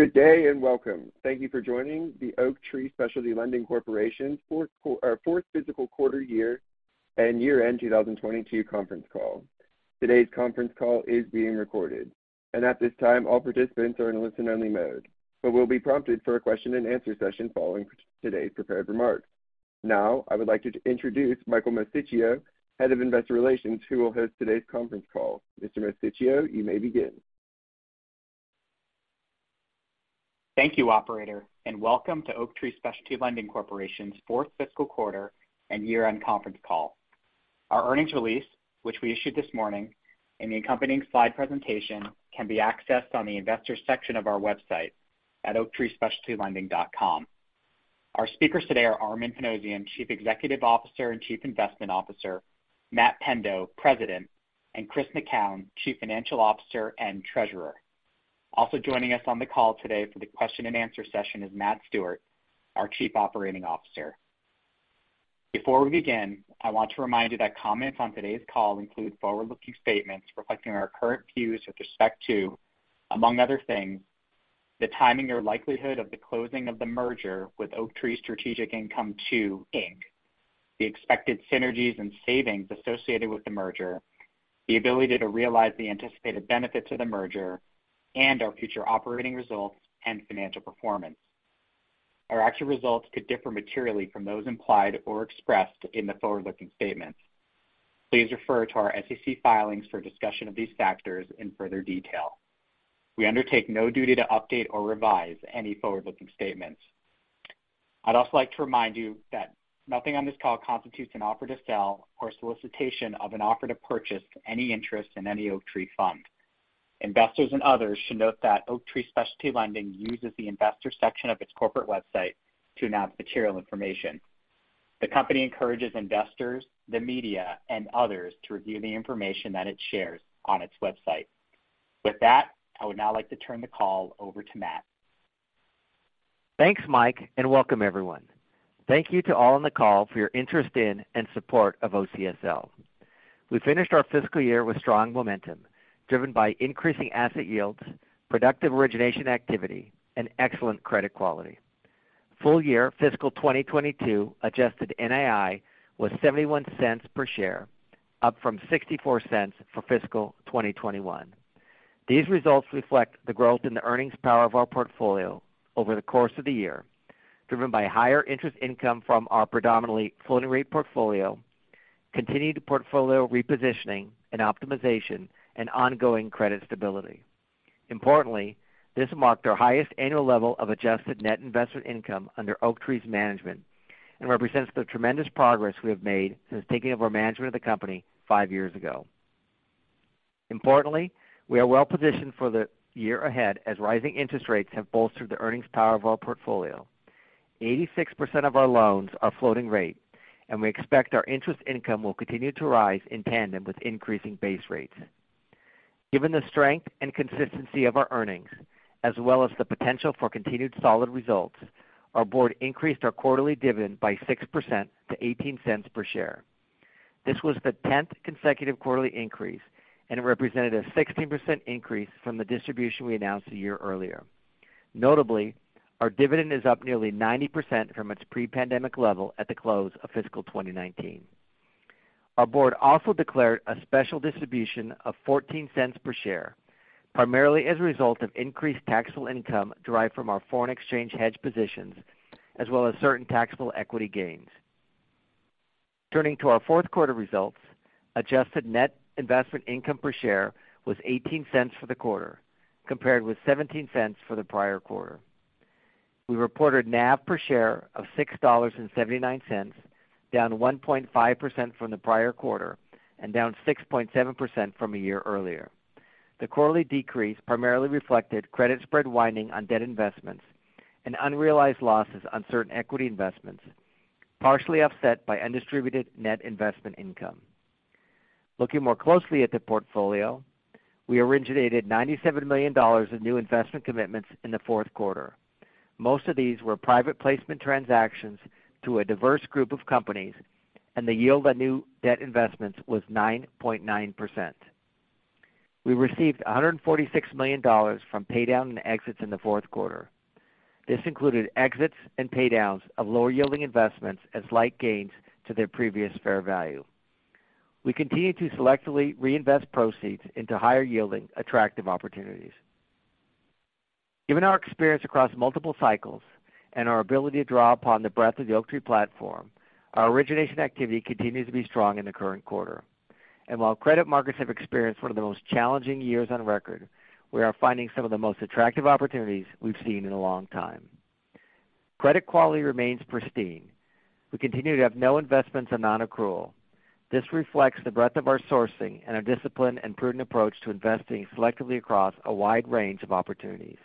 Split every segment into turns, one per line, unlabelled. Good day and welcome. Thank you for joining the Oaktree Specialty Lending Corporation Fourth Fiscal Quarter and Year-End 2022 Conference Call. Today's conference call is being recorded. At this time, all participants are in listen-only mode, but we'll be prompted for a question-and-answer session following today's prepared remarks. Now I would like to introduce Michael Mosticchio, Head of Investor Relations, who will host today's conference call. Mr. Mosticchio, you may begin.
Thank you, operator, and welcome to Oaktree Specialty Lending Corporation's fourth fiscal quarter and year-end conference call. Our earnings release, which we issued this morning, and the accompanying slide presentation can be accessed on the investors section of our website at oaktreespecialtylending.com. Our speakers today are Armen Panossian, Chief Executive Officer and Chief Investment Officer, Matt Pendo, President, and Chris McKown, Chief Financial Officer and Treasurer. Also joining us on the call today for the question-and-answer session is Matt Stewart, our Chief Operating Officer. Before we begin, I want to remind you that comments on today's call include forward-looking statements reflecting our current views with respect to, among other things, the timing or likelihood of the closing of the merger with Oaktree Strategic Income II, Inc., the expected synergies and savings associated with the merger, the ability to realize the anticipated benefits of the merger, and our future operating results and financial performance. Our actual results could differ materially from those implied or expressed in the forward-looking statements. Please refer to our SEC filings for a discussion of these factors in further detail. We undertake no duty to update or revise any forward-looking statements. I'd also like to remind you that nothing on this call constitutes an offer to sell or solicitation of an offer to purchase any interest in any Oaktree fund. Investors and others should note that Oaktree Specialty Lending uses the investor section of its corporate website to announce material information. The company encourages investors, the media, and others to review the information that it shares on its website. With that, I would now like to turn the call over to Matt.
Thanks, Mike, and welcome, everyone. Thank you to all on the call for your interest in and support of OCSL. We finished our fiscal year with strong momentum driven by increasing asset yields, productive origination activity, and excellent credit quality. Full year fiscal 2022 adjusted NII was $0.71 per share, up from $0.64 for fiscal 2021. These results reflect the growth in the earnings power of our portfolio over the course of the year, driven by higher interest income from our predominantly floating rate portfolio, continued portfolio repositioning and optimization, and ongoing credit stability. Importantly, this marked our highest annual level of adjusted net investment income under Oaktree's management and represents the tremendous progress we have made since taking over management of the company five years ago. Importantly, we are well-positioned for the year ahead as rising interest rates have bolstered the earnings power of our portfolio. 86% of our loans are floating rate, and we expect our interest income will continue to rise in tandem with increasing base rates. Given the strength and consistency of our earnings, as well as the potential for continued solid results, our board increased our quarterly dividend by 6% to $0.18 per share. This was the 10th consecutive quarterly increase and represented a 16% increase from the distribution we announced a year earlier. Notably, our dividend is up nearly 90% from its pre-pandemic level at the close of fiscal 2019. Our board also declared a special distribution of $0.14 per share, primarily as a result of increased taxable income derived from our foreign exchange hedge positions as well as certain taxable equity gains. Turning to our fourth quarter results, adjusted net investment income per share was $0.18 for the quarter, compared with $0.17 for the prior quarter. We reported NAV per share of $6.79, down 1.5% from the prior quarter and down 6.7% from a year earlier. The quarterly decrease primarily reflected credit spread widening on debt investments and unrealized losses on certain equity investments, partially offset by undistributed net investment income. Looking more closely at the portfolio, we originated $97 million of new investment commitments in the fourth quarter. Most of these were private placement transactions to a diverse group of companies, and the yield on new debt investments was 9.9%. We received $146 million from paydown and exits in the fourth quarter. This included exits and paydowns of lower-yielding investments as slight gains to their previous fair value. We continue to selectively reinvest proceeds into higher-yielding, attractive opportunities. Given our experience across multiple cycles and our ability to draw upon the breadth of the Oaktree platform, our origination activity continues to be strong in the current quarter. While credit markets have experienced one of the most challenging years on record, we are finding some of the most attractive opportunities we've seen in a long time. Credit quality remains pristine. We continue to have no investments on non-accrual. This reflects the breadth of our sourcing and our discipline and prudent approach to investing selectively across a wide range of opportunities.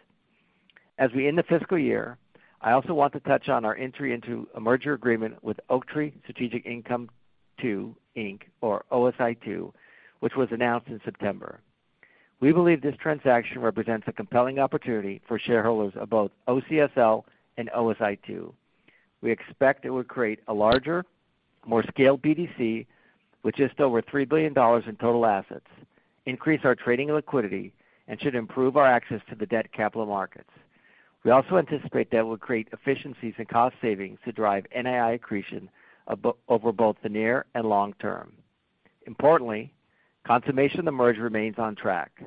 As we end the fiscal year, I also want to touch on our entry into a merger agreement with Oaktree Strategic Income II, Inc., or OSI II, which was announced in September. We believe this transaction represents a compelling opportunity for shareholders of both OCSL and OSI II. We expect it will create a larger, more scaled BDC with just over $3 billion in total assets, increase our trading liquidity, and should improve our access to the debt capital markets. We also anticipate that it will create efficiencies and cost savings to drive NII accretion above both the near and long term. Importantly, consummation of the merger remains on track.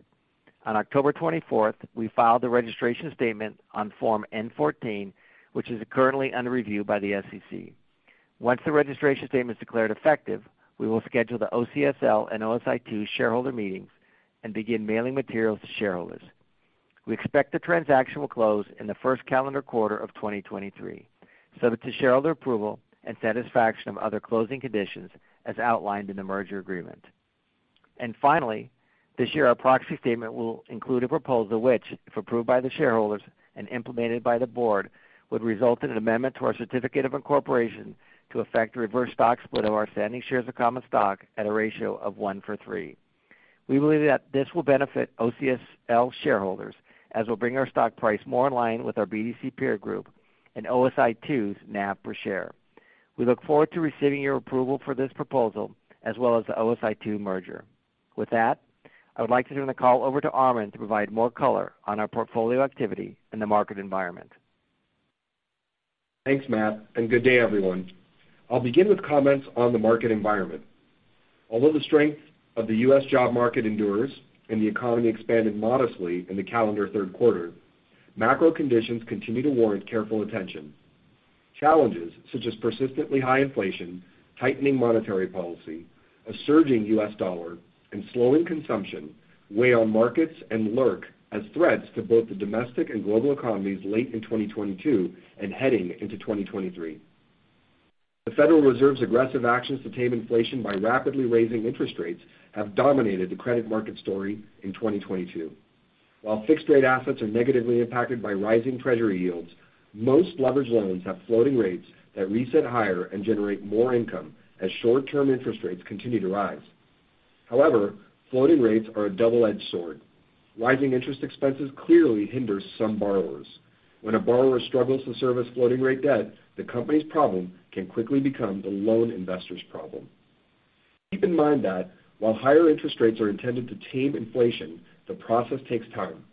On October 24th, we filed the registration statement on Form N-14, which is currently under review by the SEC. Once the registration statement is declared effective, we will schedule the OCSL and OSI II shareholder meetings and begin mailing materials to shareholders. We expect the transaction will close in the first calendar quarter of 2023, subject to shareholder approval and satisfaction of other closing conditions as outlined in the merger agreement. Finally, this year, our proxy statement will include a proposal which, if approved by the shareholders and implemented by the board, would result in an amendment to our certificate of incorporation to effect a reverse stock split of our outstanding shares of common stock at a ratio of one-for-three. We believe that this will benefit OCSL shareholders, as it'll bring our stock price more in line with our BDC peer group and OSI II's NAV per share. We look forward to receiving your approval for this proposal, as well as the OSI II merger. With that, I would like to turn the call over to Armen to provide more color on our portfolio activity and the market environment.
Thanks, Matt, and good day, everyone. I'll begin with comments on the market environment. Although the strength of the U.S. job market endures and the economy expanded modestly in the calendar third quarter, macro conditions continue to warrant careful attention. Challenges, such as persistently high inflation, tightening monetary policy, a surging U.S. dollar, and slowing consumption weigh on markets and lurk as threats to both the domestic and global economies late in 2022 and heading into 2023. The Federal Reserve's aggressive actions to tame inflation by rapidly raising interest rates have dominated the credit market story in 2022. While fixed rate assets are negatively impacted by rising Treasury yields, most leveraged loans have floating rates that reset higher and generate more income as short-term interest rates continue to rise. However, floating rates are a double-edged sword. Rising interest expenses clearly hinders some borrowers. When a borrower struggles to service floating rate debt, the company's problem can quickly become the loan investor's problem. Keep in mind that while higher interest rates are intended to tame inflation, the process takes time.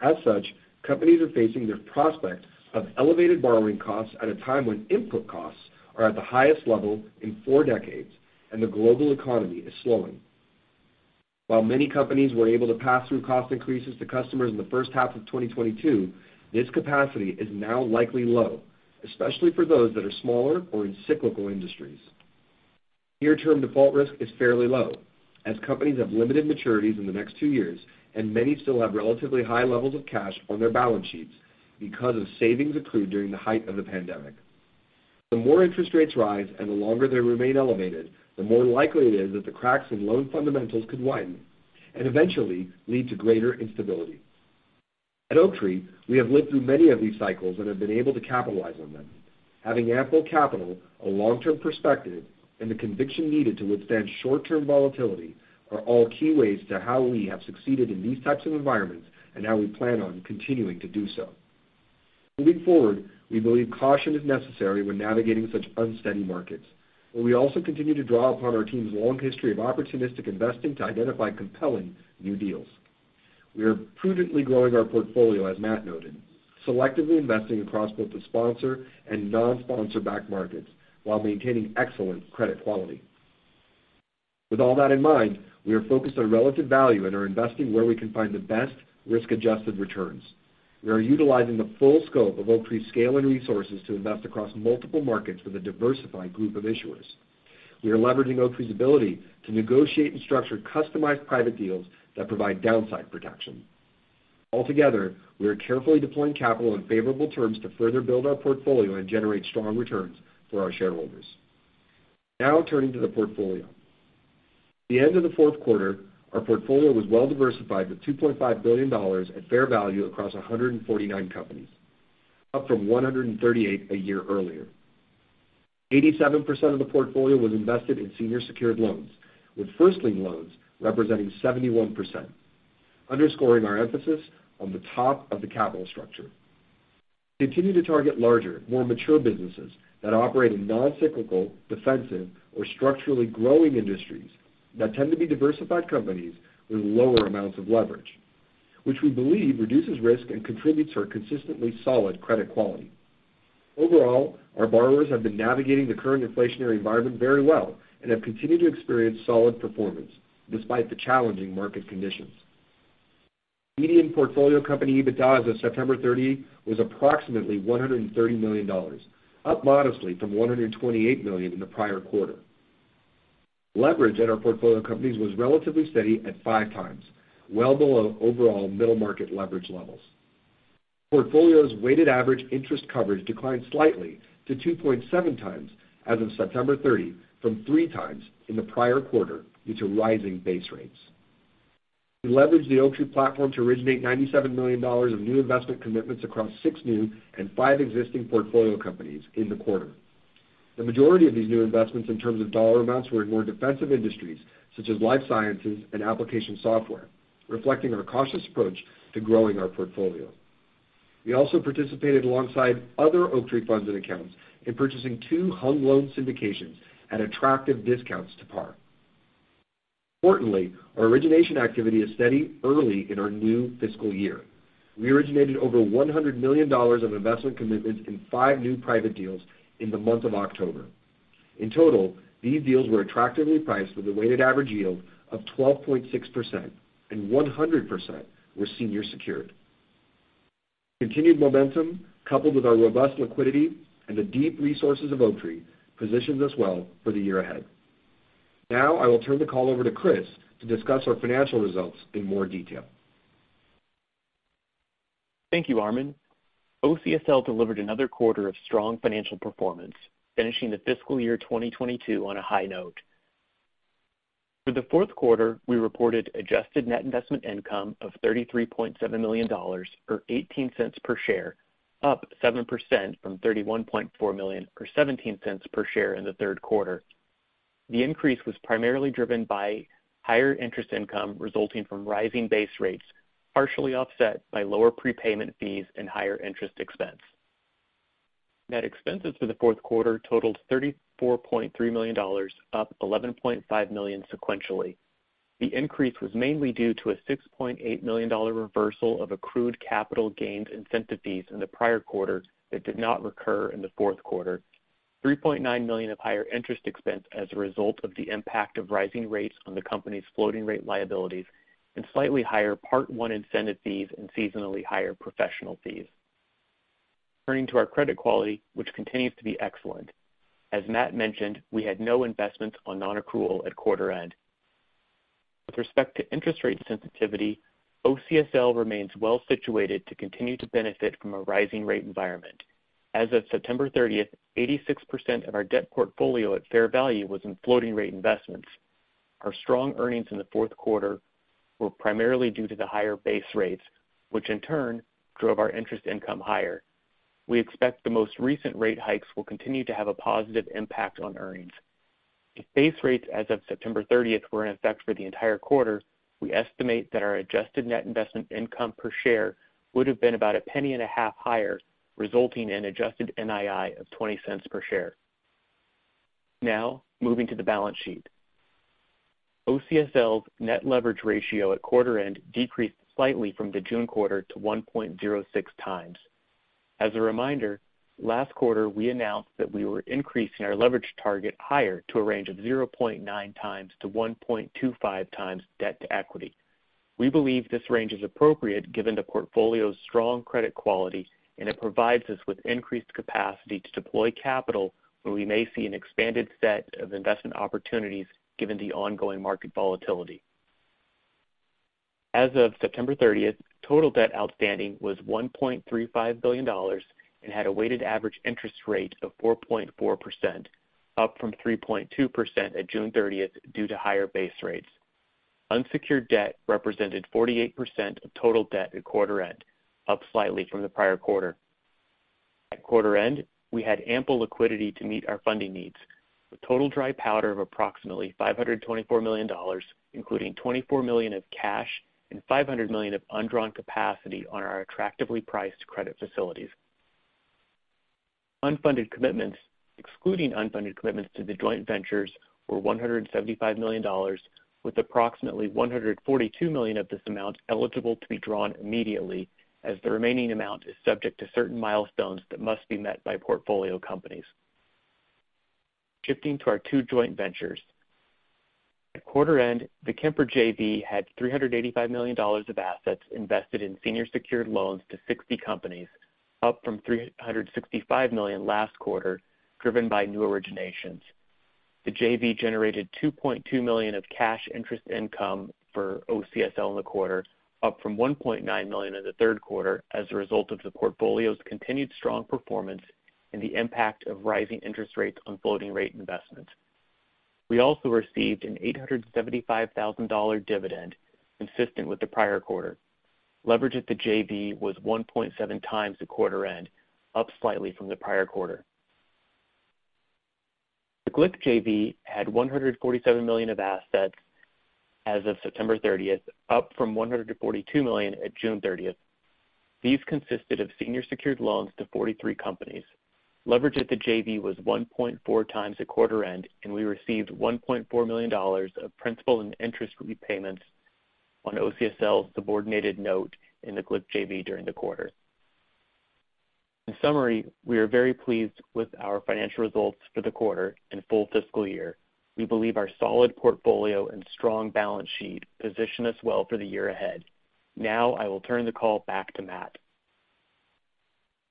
As such, companies are facing the prospect of elevated borrowing costs at a time when input costs are at the highest level in four decades and the global economy is slowing. While many companies were able to pass through cost increases to customers in the first half of 2022, this capacity is now likely low, especially for those that are smaller or in cyclical industries. Near-term default risk is fairly low, as companies have limited maturities in the next two years, and many still have relatively high levels of cash on their balance sheets because of savings accrued during the height of the pandemic. The more interest rates rise and the longer they remain elevated, the more likely it is that the cracks in loan fundamentals could widen and eventually lead to greater instability. At Oaktree, we have lived through many of these cycles and have been able to capitalize on them. Having ample capital, a long-term perspective, and the conviction needed to withstand short-term volatility are all key ways to how we have succeeded in these types of environments and how we plan on continuing to do so. Moving forward, we believe caution is necessary when navigating such unsteady markets, but we also continue to draw upon our team's long history of opportunistic investing to identify compelling new deals. We are prudently growing our portfolio, as Matt noted, selectively investing across both the sponsor and non-sponsor-backed markets while maintaining excellent credit quality. With all that in mind, we are focused on relative value and are investing where we can find the best risk-adjusted returns. We are utilizing the full scope of Oaktree's scale and resources to invest across multiple markets with a diversified group of issuers. We are leveraging Oaktree's ability to negotiate and structure customized private deals that provide downside protection. Altogether, we are carefully deploying capital on favorable terms to further build our portfolio and generate strong returns for our shareholders. Now, turning to the portfolio. At the end of the fourth quarter, our portfolio was well-diversified with $2.5 billion at fair value across 149 companies, up from 138 a year earlier. 87% of the portfolio was invested in senior secured loans, with first lien loans representing 71%, underscoring our emphasis on the top of the capital structure. Continue to target larger, more mature businesses that operate in non-cyclical, defensive, or structurally growing industries that tend to be diversified companies with lower amounts of leverage, which we believe reduces risk and contributes to our consistently solid credit quality. Overall, our borrowers have been navigating the current inflationary environment very well and have continued to experience solid performance despite the challenging market conditions. Median portfolio company EBITDA as of September 30 was approximately $130 million, up modestly from $128 million in the prior quarter. Leverage at our portfolio companies was relatively steady at 5x, well below overall middle market leverage levels. Portfolio's weighted average interest coverage declined slightly to 2.7x as of September 30 from 3x in the prior quarter due to rising base rates. We leveraged the Oaktree platform to originate $97 million of new investment commitments across six new and five existing portfolio companies in the quarter. The majority of these new investments in terms of dollar amounts were in more defensive industries such as life sciences and application software, reflecting our cautious approach to growing our portfolio. We also participated alongside other Oaktree funds and accounts in purchasing two whole loan syndications at attractive discounts to par. Importantly, our origination activity is steady early in our new fiscal year. We originated over $100 million of investment commitments in five new private deals in the month of October. In total, these deals were attractively priced with a weighted average yield of 12.6%, and 100% were senior secured. Continued momentum, coupled with our robust liquidity and the deep resources of Oaktree, positions us well for the year ahead. Now I will turn the call over to Chris to discuss our financial results in more detail.
Thank you, Armen. OCSL delivered another quarter of strong financial performance, finishing the fiscal year 2022 on a high note. For the fourth quarter, we reported adjusted net investment income of $33.7 million, or $0.18 per share, up 7% from $31.4 million, or $0.17 per share in the third quarter. The increase was primarily driven by higher interest income resulting from rising base rates, partially offset by lower prepayment fees and higher interest expense. Net expenses for the fourth quarter totaled $34.3 million, up $11.5 million sequentially. The increase was mainly due to a $6.8 million reversal of accrued capital gains incentive fees in the prior quarter that did not recur in the fourth quarter, $3.9 million of higher interest expense as a result of the impact of rising rates on the company's floating rate liabilities, and slightly higher Part One incentive fees and seasonally higher professional fees. Turning to our credit quality, which continues to be excellent. As Matt mentioned, we had no investments on non-accrual at quarter end. With respect to interest rate sensitivity, OCSL remains well situated to continue to benefit from a rising rate environment. As of September 30th, 86% of our debt portfolio at fair value was in floating rate investments. Our strong earnings in the fourth quarter were primarily due to the higher base rates, which in turn drove our interest income higher. We expect the most recent rate hikes will continue to have a positive impact on earnings. If base rates as of September 30th were in effect for the entire quarter, we estimate that our adjusted net investment income per share would have been about $0.015 higher, resulting in adjusted NII of $0.20 per share. Now, moving to the balance sheet. OCSL's net leverage ratio at quarter end decreased slightly from the June quarter to 1.06x. As a reminder, last quarter we announced that we were increasing our leverage target higher to a range of 0.9x-1.25x debt to equity. We believe this range is appropriate given the portfolio's strong credit quality, and it provides us with increased capacity to deploy capital where we may see an expanded set of investment opportunities given the ongoing market volatility. As of September thirtieth, total debt outstanding was $1.35 billion and had a weighted average interest rate of 4.4%, up from 3.2% at June thirtieth due to higher base rates. Unsecured debt represented 48% of total debt at quarter end, up slightly from the prior quarter. At quarter end, we had ample liquidity to meet our funding needs, with total dry powder of approximately $524 million, including $24 million of cash and $500 million of undrawn capacity on our attractively priced credit facilities. Unfunded commitments, excluding unfunded commitments to the joint ventures, were $175 million, with approximately $142 million of this amount eligible to be drawn immediately as the remaining amount is subject to certain milestones that must be met by portfolio companies. Shifting to our two joint ventures. At quarter end, the Kemper JV had $385 million of assets invested in senior secured loans to 60 companies, up from $365 million last quarter, driven by new originations. The JV generated $2.2 million of cash interest income for OCSL in the quarter, up from $1.9 million in the third quarter as a result of the portfolio's continued strong performance and the impact of rising interest rates on floating rate investments. We also received an $875,000 dividend consistent with the prior quarter. Leverage at the JV was 1.7x at quarter end, up slightly from the prior quarter. The Glick JV had $147 million of assets as of September 30th, up from $142 million at June 30th. These consisted of senior secured loans to 43 companies. Leverage at the JV was 1.4x at quarter end, and we received $1.4 million of principal and interest repayments on OCSL's subordinated note in the Glick JV during the quarter. In summary, we are very pleased with our financial results for the quarter and full fiscal year. We believe our solid portfolio and strong balance sheet position us well for the year ahead. Now I will turn the call back to Matt.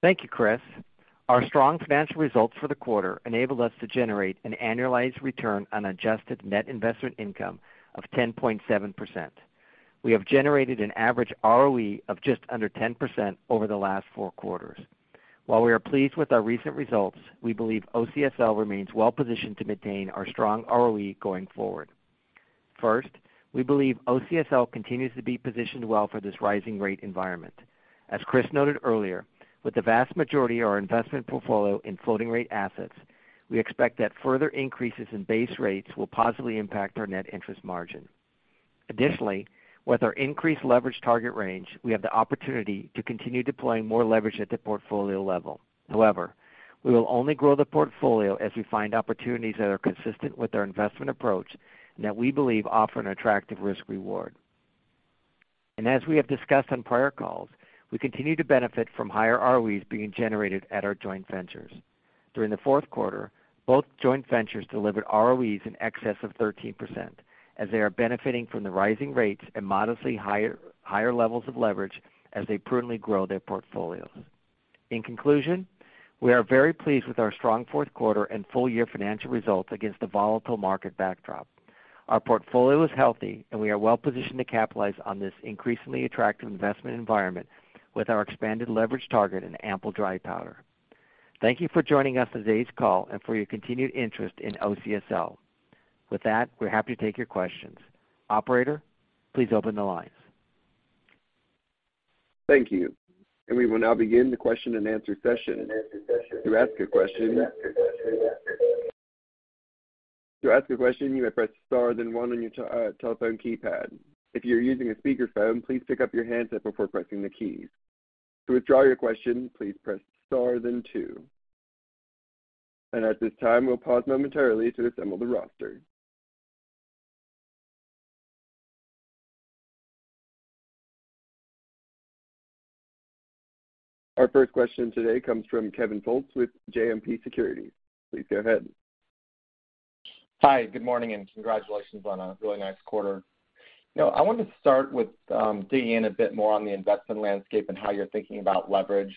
Thank you, Chris. Our strong financial results for the quarter enabled us to generate an annualized return on adjusted net investment income of 10.7%. We have generated an average ROE of just under 10% over the last four quarters. While we are pleased with our recent results, we believe OCSL remains well positioned to maintain our strong ROE going forward. First, we believe OCSL continues to be positioned well for this rising rate environment. As Chris noted earlier, with the vast majority of our investment portfolio in floating rate assets, we expect that further increases in base rates will positively impact our net interest margin. Additionally, with our increased leverage target range, we have the opportunity to continue deploying more leverage at the portfolio level. However, we will only grow the portfolio as we find opportunities that are consistent with our investment approach and that we believe offer an attractive risk reward. As we have discussed on prior calls, we continue to benefit from higher ROEs being generated at our joint ventures. During the fourth quarter, both joint ventures delivered ROEs in excess of 13% as they are benefiting from the rising rates and modestly higher levels of leverage as they prudently grow their portfolios. In conclusion, we are very pleased with our strong fourth quarter and full-year financial results against the volatile market backdrop. Our portfolio is healthy, and we are well positioned to capitalize on this increasingly attractive investment environment with our expanded leverage target and ample dry powder. Thank you for joining us on today's call and for your continued interest in OCSL. With that, we're happy to take your questions. Operator, please open the lines.
Thank you. We will now begin the question-and-answer session. To ask a question, you may press star then one on your telephone keypad. If you're using a speakerphone, please pick up your handset before pressing the keys. To withdraw your question, please press star then two. At this time, we'll pause momentarily to assemble the roster. Our first question today comes from Kevin Fultz with JMP Securities. Please go ahead.
Hi, good morning, and congratulations on a really nice quarter. You know, I wanted to start with digging in a bit more on the investment landscape and how you're thinking about leverage.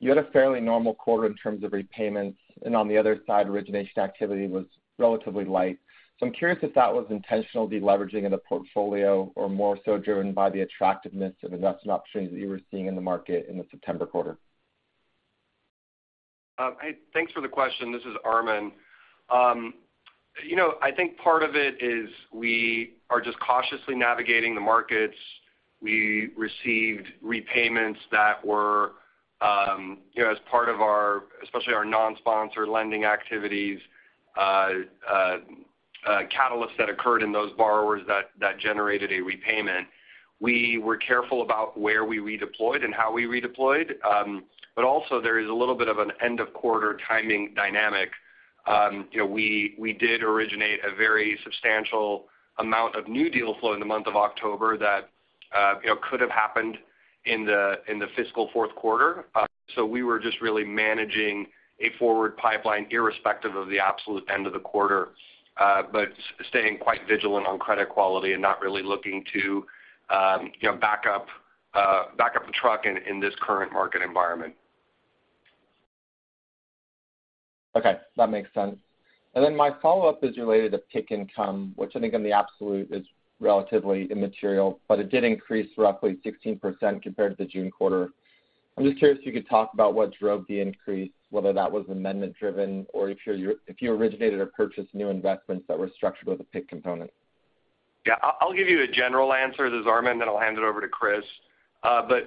You had a fairly normal quarter in terms of repayments, and on the other side, origination activity was relatively light. I'm curious if that was intentional de-leveraging of the portfolio or more so driven by the attractiveness of investment opportunities that you were seeing in the market in the September quarter.
Hey, thanks for the question. This is Armen. You know, I think part of it is we are just cautiously navigating the markets. We received repayments that were, you know, as part of our, especially our non-sponsor lending activities, catalysts that occurred in those borrowers that generated a repayment. We were careful about where we redeployed and how we redeployed. Also there is a little bit of an end-of-quarter timing dynamic. You know, we did originate a very substantial amount of new deal flow in the month of October that, you know, could have happened in the, in the fiscal fourth quarter. We were just really managing a forward pipeline irrespective of the absolute end of the quarter, but staying quite vigilant on credit quality and not really looking to, you know, back up the truck in this current market environment.
Okay. That makes sense. My follow-up is related to PIK income, which I think on the absolute is relatively immaterial, but it did increase roughly 16% compared to the June quarter. I'm just curious if you could talk about what drove the increase, whether that was amendment-driven or if you originated or purchased new investments that were structured with a PIK component.
Yeah. I'll give you a general answer, this is Armen, then I'll hand it over to Chris.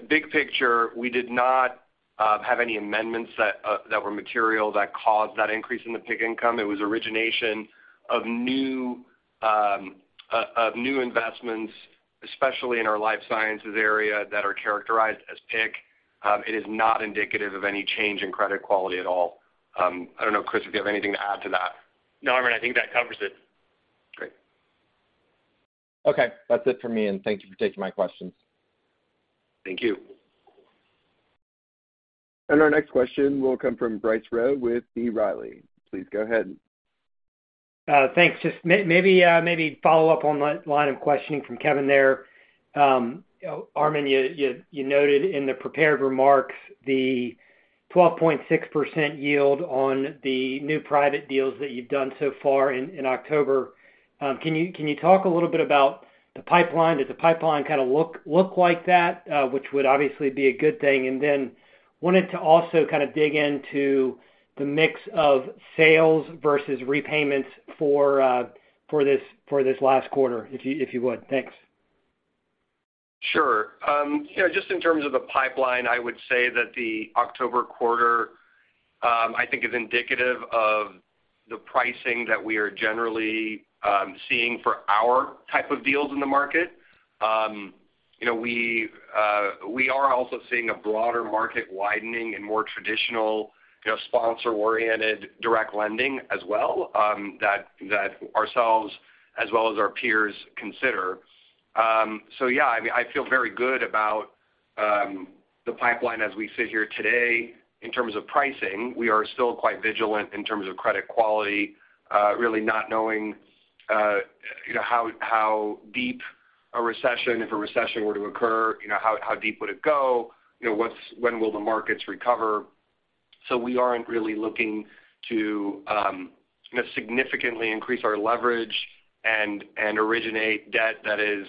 Big picture, we did not have any amendments that were material that caused that increase in the PIK income. It was origination of new investments, especially in our life sciences area, that are characterized as PIK. It is not indicative of any change in credit quality at all. I don't know, Chris, if you have anything to add to that.
No, Armen, I think that covers it.
Great.
Okay. That's it for me, and thank you for taking my questions.
Thank you.
Our next question will come from Bryce Rowe with B. Riley. Please go ahead.
Thanks. Just maybe follow up on that line of questioning from Kevin there. You know, Armen, you noted in the prepared remarks the 12.6% yield on the new private deals that you've done so far in October. Can you talk a little bit about the pipeline? Does the pipeline kinda look like that? Which would obviously be a good thing. Wanted to also kind of dig into the mix of sales versus repayments for this last quarter, if you would. Thanks.
Sure. You know, just in terms of the pipeline, I would say that the October quarter I think is indicative of the pricing that we are generally seeing for our type of deals in the market. You know, we are also seeing a broader market widening and more traditional, you know, sponsor-oriented direct lending as well that ourselves as well as our peers consider. Yeah, I mean, I feel very good about the pipeline as we sit here today in terms of pricing. We are still quite vigilant in terms of credit quality, really not knowing, you know, how deep a recession, if a recession were to occur, you know, how deep would it go. You know, when will the markets recover? We aren't really looking to, you know, significantly increase our leverage and originate debt that is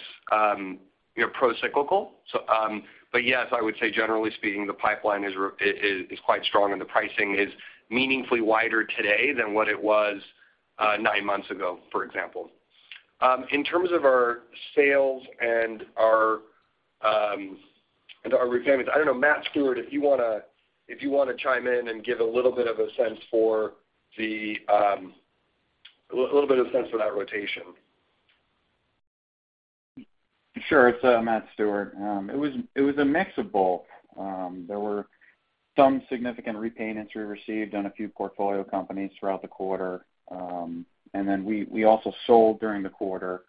pro-cyclical. But yes, I would say generally speaking, the pipeline is quite strong and the pricing is meaningfully wider today than what it was nine months ago, for example. In terms of our sales and our repayments, I don't know, Matt Stewart, if you wanna chime in and give a little bit of a sense for that rotation.
Sure. It's Matt Stewart. It was a mix of both. There were some significant repayments we received on a few portfolio companies throughout the quarter. Then we also sold during the quarter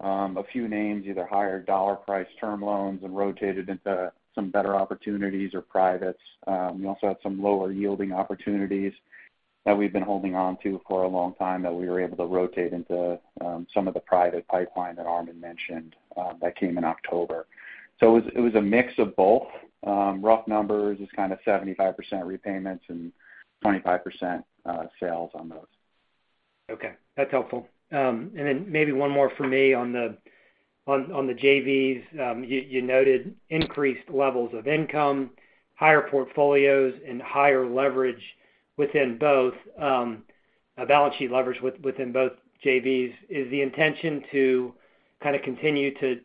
a few names, either higher-dollar-priced term loans and rotated into some better opportunities or privates. We also had some lower yielding opportunities that we've been holding onto for a long time that we were able to rotate into some of the private pipeline that Armen mentioned that came in October. It was a mix of both. Rough numbers is kind of 75% repayments and 25% sales on those.
Okay, that's helpful. Maybe one more for me on the JVs. You noted increased levels of income, higher portfolios, and higher leverage within both a balance sheet leverage within both JVs. Is the intention to kind of continue to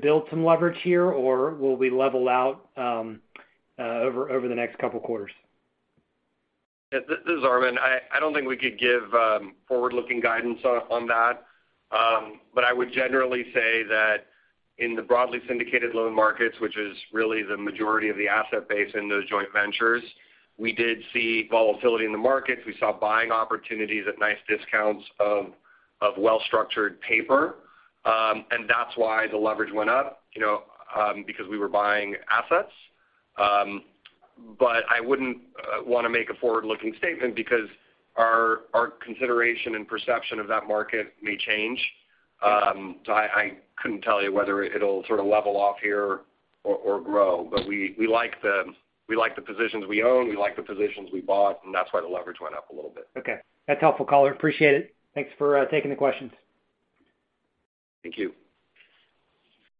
build some leverage here, or will we level out over the next couple quarters?
Yeah, this is Armen. I don't think we could give forward-looking guidance on that. I would generally say that in the broadly syndicated loan markets, which is really the majority of the asset base in those joint ventures, we did see volatility in the markets. We saw buying opportunities at nice discounts of well-structured paper. That's why the leverage went up, you know, because we were buying assets. I wouldn't wanna make a forward-looking statement because our consideration and perception of that market may change. I couldn't tell you whether it'll sort of level off here or grow. We like the positions we own, we like the positions we bought, and that's why the leverage went up a little bit.
Okay. That's helpful, caller. Appreciate it. Thanks for taking the questions.
Thank you.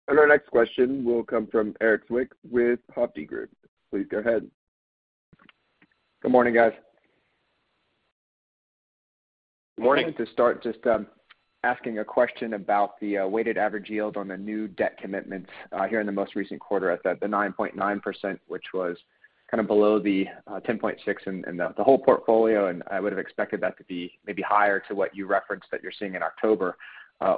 Our next question will come from Erik Zwick with Hovde Group. Please go ahead.
Good morning, guys.
Morning.
To start, just asking a question about the weighted average yield on the new debt commitments here in the most recent quarter at the 9.9%, which was kind of below the 10.6% in the whole portfolio. I would have expected that to be maybe higher to what you referenced that you're seeing in October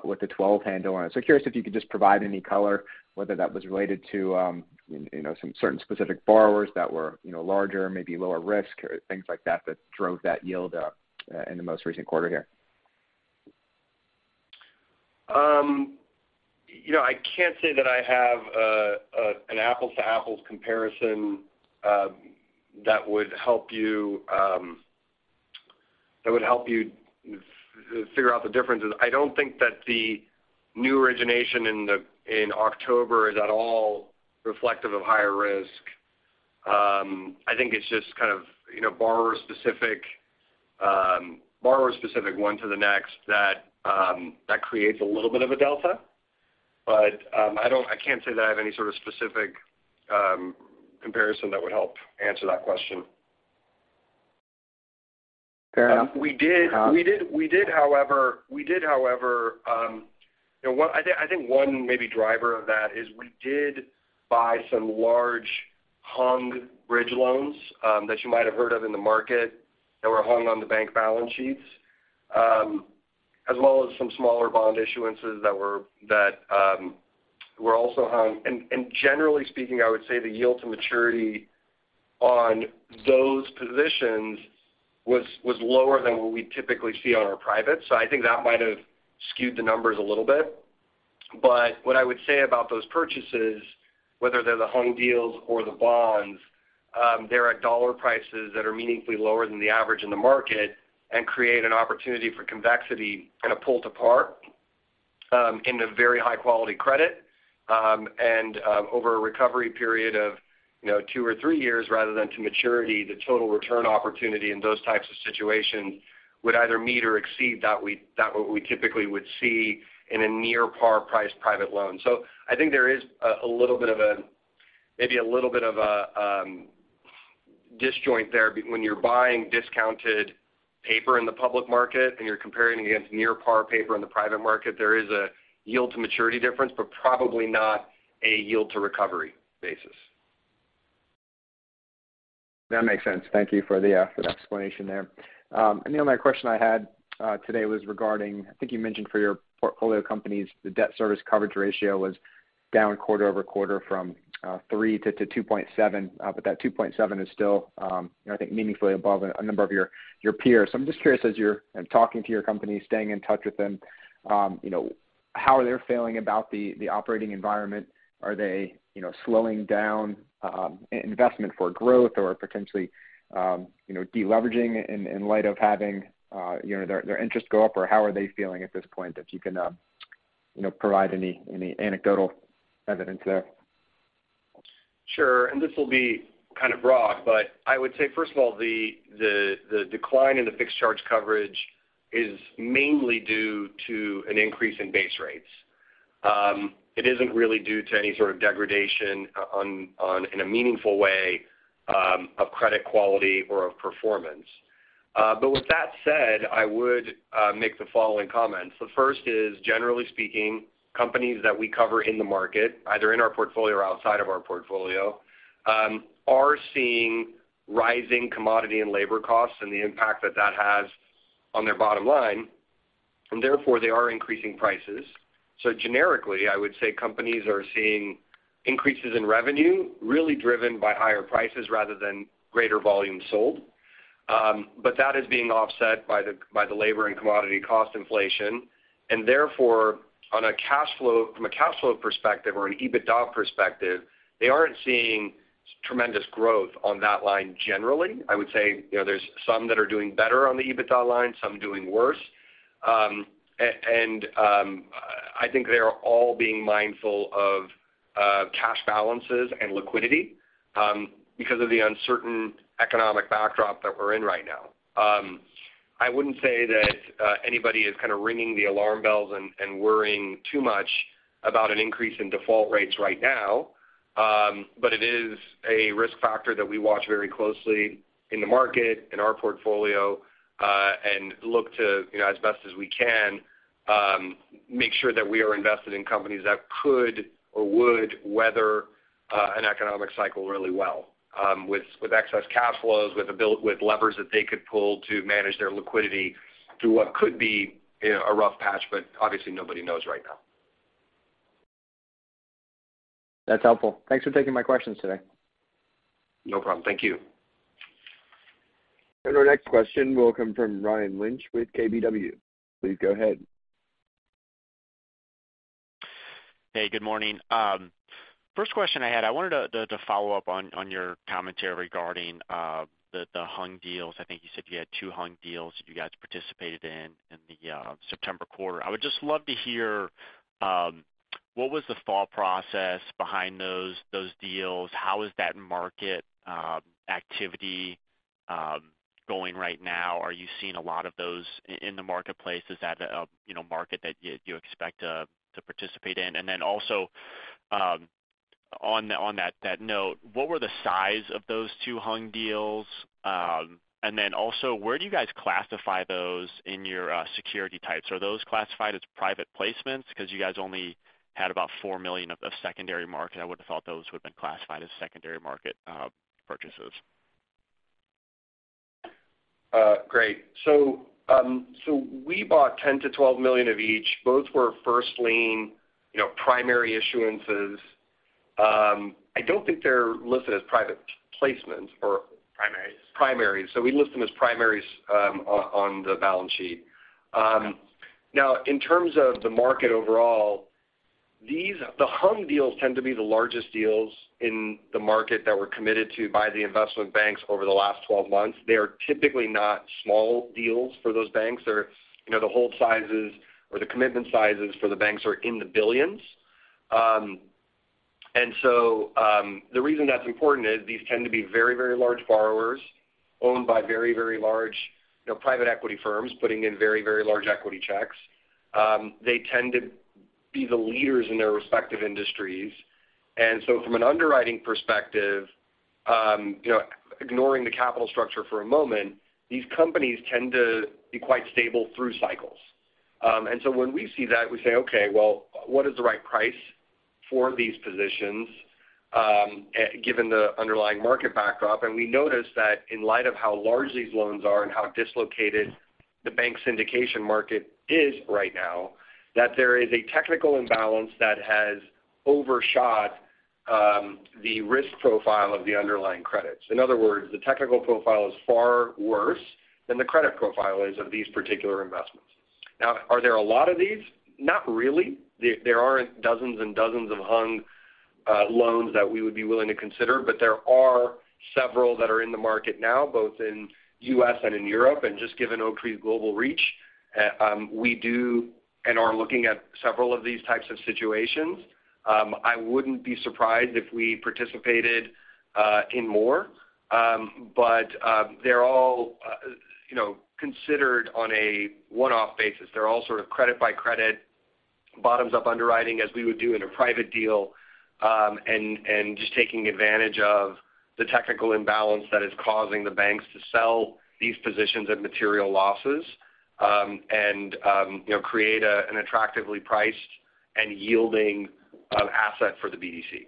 with the 12% handle on it. Curious if you could just provide any color, whether that was related to you know some certain specific borrowers that were you know larger, maybe lower risk or things like that that drove that yield up in the most recent quarter here.
You know, I can't say that I have an apples to apples comparison that would help you figure out the differences. I don't think that the new origination in October is at all reflective of higher risk. I think it's just kind of, you know, borrower-specific one to the next that creates a little bit of a delta. I can't say that I have any sort of specific comparison that would help answer that question.
Fair enough.
We did, however, you know, I think one maybe driver of that is we did buy some large hung bridge loans that you might have heard of in the market that were hung on the bank balance sheets, as well as some smaller bond issuances that were also hung. Generally speaking, I would say the yield to maturity on those positions was lower than what we typically see on our privates. I think that might have skewed the numbers a little bit. What I would say about those purchases, whether they're the hung deals or the bonds, they're at dollar prices that are meaningfully lower than the average in the market and create an opportunity for convexity kind of pull to par into very high quality credit. Over a recovery period of, you know, two or three years rather than to maturity, the total return opportunity in those types of situations would either meet or exceed what we typically would see in a near par priced private loan. I think there is a little bit of a disjoint there when you're buying discounted paper in the public market and you're comparing against near par paper in the private market. There is a yield to maturity difference, but probably not a yield to recovery basis.
That makes sense. Thank you for the explanation there. The only other question I had today was regarding, I think you mentioned for your portfolio companies, the debt service coverage ratio was down quarter-over-quarter from 3 to 2.7. That 2.7 is still, I think, meaningfully above a number of your peers. I'm just curious, as you're talking to your company, staying in touch with them, you know, how are they feeling about the operating environment? Are they, you know, slowing down investment for growth or potentially, you know, de-leveraging in light of having, you know, their interest go up, or how are they feeling at this point, if you can, you know, provide any anecdotal evidence there?
Sure. This will be kind of broad, but I would say first of all, the decline in the fixed charge coverage is mainly due to an increase in base rates. It isn't really due to any sort of degradation in a meaningful way of credit quality or of performance. With that said, I would make the following comments. The first is, generally speaking, companies that we cover in the market, either in our portfolio or outside of our portfolio, are seeing rising commodity and labor costs and the impact that that has on their bottom line, and therefore they are increasing prices. Generically, I would say companies are seeing increases in revenue really driven by higher prices rather than greater volume sold. That is being offset by the labor and commodity cost inflation. Therefore, from a cash flow perspective or an EBITDA perspective, they aren't seeing tremendous growth on that line generally. I would say, you know, there's some that are doing better on the EBITDA line, some doing worse. I think they are all being mindful of cash balances and liquidity because of the uncertain economic backdrop that we're in right now. I wouldn't say that anybody is kind of ringing the alarm bells and worrying too much about an increase in default rates right now. It is a risk factor that we watch very closely in the market, in our portfolio, and look to, you know, as best as we can, make sure that we are invested in companies that could or would weather an economic cycle really well, with excess cash flows, with levers that they could pull to manage their liquidity through what could be, you know, a rough patch, but obviously nobody knows right now.
That's helpful. Thanks for taking my questions today.
No problem. Thank you.
Our next question will come from Ryan Lynch with KBW. Please go ahead.
Hey, good morning. First question I had, I wanted to follow up on your commentary regarding the hung deals. I think you said you had two hung deals that you guys participated in in the September quarter. I would just love to hear what was the thought process behind those deals? How is that market activity going right now? Are you seeing a lot of those in the marketplace? Is that a, you know, market that you expect to participate in? Then also, on that note, what were the size of those two hung deals? Then also where do you guys classify those in your security types? Are those classified as private placements? Because you guys only had about $4 million of the secondary market. I would have thought those would have been classified as secondary market purchases.
Great. We bought $10 million-$12 million of each. Both were first lien, you know, primary issuances. I don't think they're listed as private placements or-
Primaries.
Primaries. We list them as primaries on the balance sheet. Now in terms of the market overall, these, the hung deals tend to be the largest deals in the market that were committed to by the investment banks over the last 12 months. They are typically not small deals for those banks or, you know, the hold sizes or the commitment sizes for the banks are in the billions. The reason that's important is these tend to be very, very large borrowers owned by very, very large, you know, private equity firms putting in very, very large equity checks. They tend to be the leaders in their respective industries. From an underwriting perspective, you know, ignoring the capital structure for a moment, these companies tend to be quite stable through cycles. When we see that, we say, okay, well, what is the right price for these positions, given the underlying market backup? We notice that in light of how large these loans are and how dislocated the bank syndication market is right now, that there is a technical imbalance that has overshot the risk profile of the underlying credits. In other words, the technical profile is far worse than the credit profile is of these particular investments. Now, are there a lot of these? Not really. There aren't dozens and dozens of hung loans that we would be willing to consider, but there are several that are in the market now, both in U.S. and in Europe, and just given Oaktree's global reach, we do and are looking at several of these types of situations. I wouldn't be surprised if we participated in more. They're all, you know, considered on a one-off basis. They're all sort of credit by credit, bottoms up underwriting as we would do in a private deal, and just taking advantage of the technical imbalance that is causing the banks to sell these positions at material losses, and you know, create an attractively priced and yielding asset for the BDC.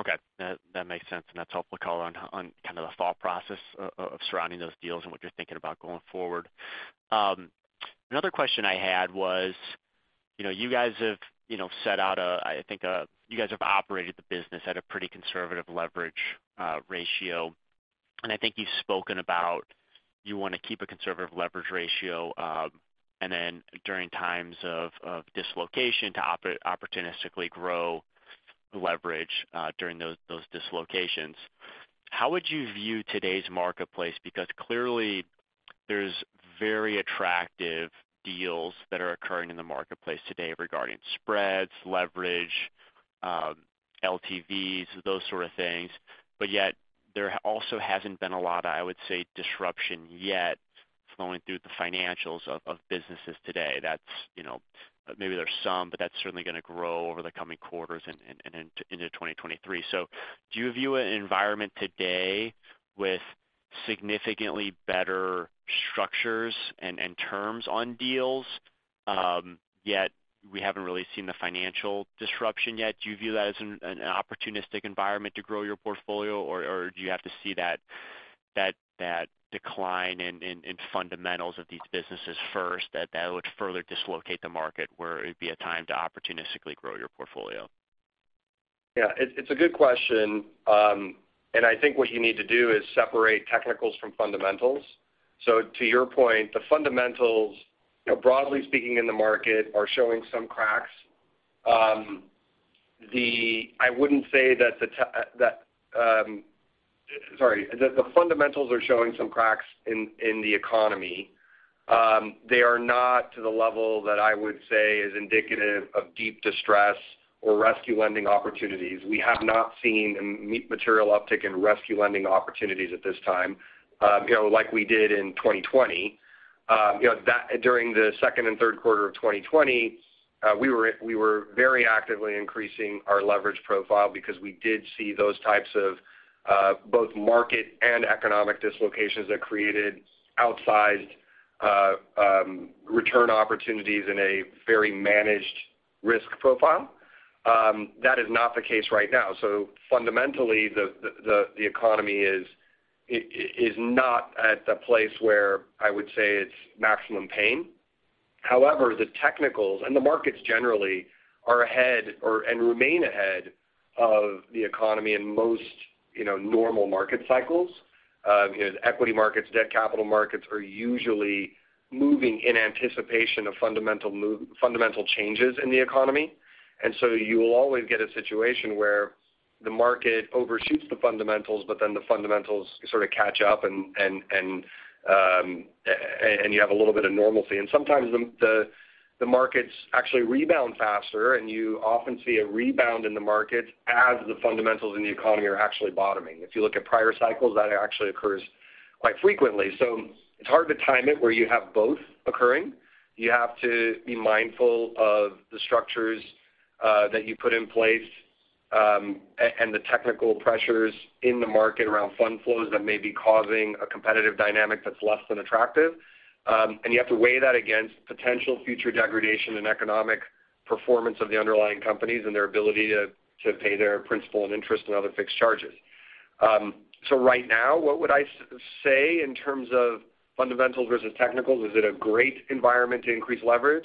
Okay. That makes sense. That's helpful color on kind of the thought process of surrounding those deals and what you're thinking about going forward. Another question I had was, you know, you guys have operated the business at a pretty conservative leverage ratio. I think you've spoken about you wanna keep a conservative leverage ratio, and then during times of dislocation to opportunistically grow leverage during those dislocations. How would you view today's marketplace? Because clearly there's very attractive deals that are occurring in the marketplace today regarding spreads, leverage, LTVs, those sort of things. But yet, there also hasn't been a lot of, I would say, disruption yet flowing through the financials of businesses today. That's you know, maybe there's some, but that's certainly gonna grow over the coming quarters and into 2023. Do you view an environment today with significantly better structures and terms on deals, yet we haven't really seen the financial disruption yet. Do you view that as an opportunistic environment to grow your portfolio? Or do you have to see that decline in fundamentals of these businesses first, that would further dislocate the market where it would be a time to opportunistically grow your portfolio?
Yeah. It's a good question. I think what you need to do is separate technicals from fundamentals. To your point, the fundamentals, you know, broadly speaking in the market are showing some cracks. The fundamentals are showing some cracks in the economy. They are not to the level that I would say is indicative of deep distress or rescue lending opportunities. We have not seen a material uptick in rescue lending opportunities at this time, you know, like we did in 2020. You know, that during the second and third quarter of 2020, we were very actively increasing our leverage profile because we did see those types of both market and economic dislocations that created outsized return opportunities in a very managed risk profile. That is not the case right now. Fundamentally, the economy is not at the place where I would say it's maximum pain. However, the technicals and the markets generally are ahead and remain ahead of the economy in most, you know, normal market cycles. You know, equity markets, debt capital markets are usually moving in anticipation of fundamental changes in the economy. You will always get a situation where the market overshoots the fundamentals, but then the fundamentals sort of catch up and you have a little bit of normalcy. Sometimes the markets actually rebound faster, and you often see a rebound in the market as the fundamentals in the economy are actually bottoming. If you look at prior cycles, that actually occurs quite frequently. It's hard to time it where you have both occurring. You have to be mindful of the structures that you put in place and the technical pressures in the market around fund flows that may be causing a competitive dynamic that's less than attractive. You have to weigh that against potential future degradation and economic performance of the underlying companies and their ability to pay their principal and interest and other fixed charges. Right now, what would I say in terms of fundamentals versus technicals? Is it a great environment to increase leverage?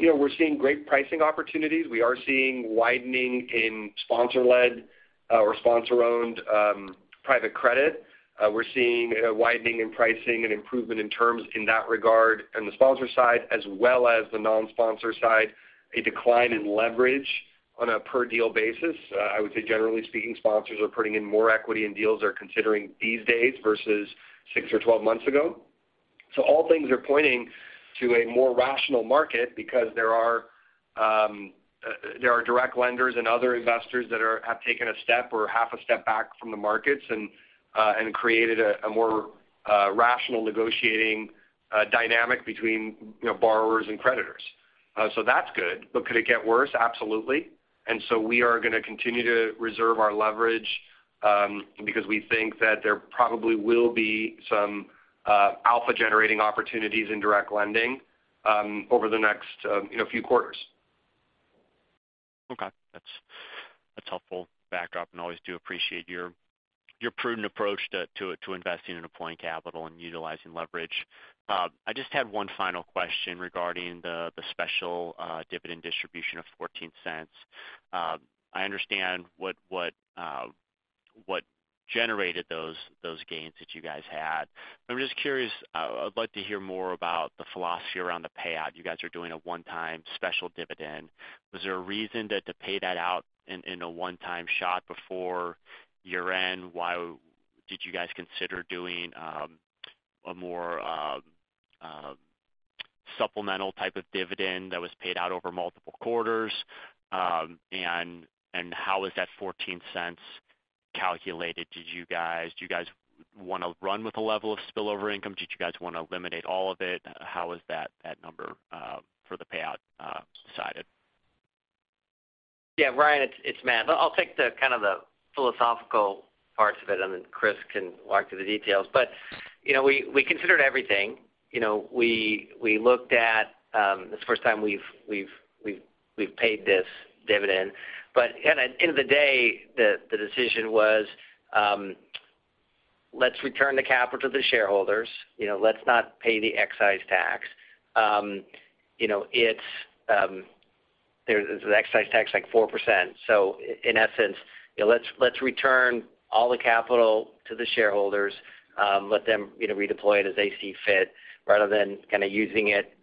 You know, we're seeing great pricing opportunities. We are seeing widening in sponsor-led, or sponsor-owned, private credit. We're seeing a widening in pricing and improvement in terms in that regard on the sponsor side as well as the non-sponsor side, a decline in leverage on a per deal basis. I would say generally speaking, sponsors are putting in more equity and deals are closing these days versus six or 12 months ago. All things are pointing to a more rational market because there are direct lenders and other investors that have taken a step or half a step back from the markets and created a more rational negotiating dynamic between, you know, borrowers and creditors. That's good. Could it get worse? Absolutely. We are gonna continue to reserve our leverage because we think that there probably will be some alpha-generating opportunities in direct lending over the next, you know, few quarters.
Okay. That's helpful backdrop, and always do appreciate your prudent approach to investing and deploying capital and utilizing leverage. I just had one final question regarding the special dividend distribution of $0.14. I understand what generated those gains that you guys had. I'm just curious. I'd like to hear more about the philosophy around the payout. You guys are doing a one-time special dividend. Was there a reason to pay that out in a one-time shot before year-end? Why? Did you guys consider doing a more supplemental type of dividend that was paid out over multiple quarters? And how is that $0.14 calculated? Do you guys wanna run with a level of spillover income? Did you guys wanna eliminate all of it? How is that number for the payout decided?
Yeah, Ryan, it's Matt. I'll take kinda the philosophical parts of it, and then Chris can walk through the details. You know, we considered everything. You know, we looked at this. This is the first time we've paid this dividend. At the end of the day, the decision was, let's return the capital to the shareholders. You know, let's not pay the excise tax. You know, there's an excise tax like 4%. In essence, you know, let's return all the capital to the shareholders, let them, you know, redeploy it as they see fit, rather than kinda using it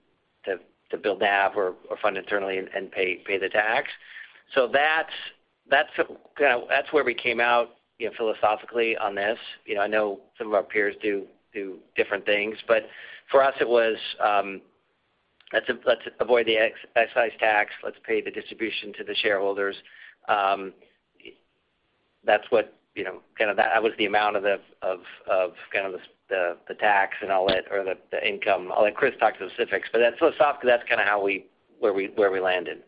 to build up or fund internally and pay the tax. That's kinda where we came out, you know, philosophically on this. You know, I know some of our peers do different things, but for us, it was let's avoid the excise tax. Let's pay the distribution to the shareholders. That's what, you know, kinda that was the amount of the kinda the tax and all that or the income. I'll let Chris talk to the specifics, but that's philosophically kinda where we landed.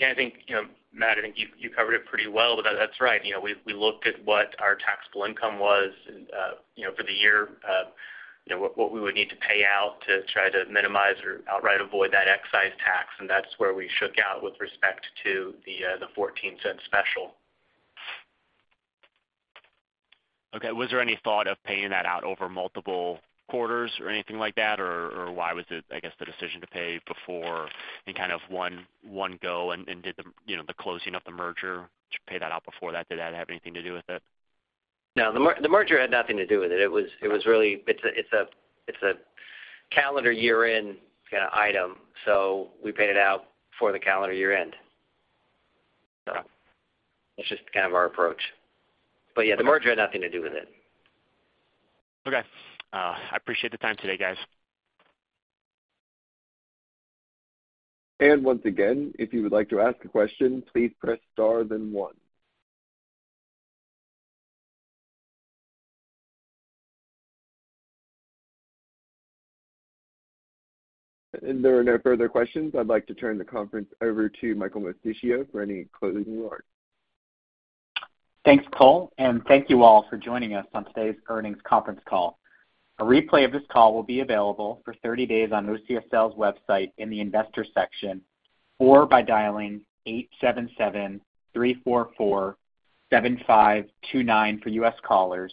Yeah, I think, you know, Matt, I think you covered it pretty well, but that's right. You know, we looked at what our taxable income was, and you know, for the year, you know, what we would need to pay out to try to minimize or outright avoid that excise tax, and that's where we shook out with respect to the $0.14 special.
Okay. Was there any thought of paying that out over multiple quarters or anything like that? Or why was it, I guess, the decision to pay before in kind of one go and did the, you know, the closing of the merger, did you pay that out before that? Did that have anything to do with it?
No. The merger had nothing to do with it. It was.
Okay.
It's a calendar year-end kinda item, so we paid it out for the calendar year-end.
All right.
That's just kind of our approach. Yeah, the merger had nothing to do with it.
Okay. I appreciate the time today, guys.
Once again, if you would like to ask a question, please press star then one. There are no further questions. I'd like to turn the conference over to Michael Mosticchio for any closing remarks.
Thanks, Cole, and thank you all for joining us on today's earnings conference call. A replay of this call will be available for 30 days on OCSL's website in the Investors section or by dialing 877-344-7529 for U.S. callers.